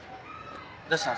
どうしたの？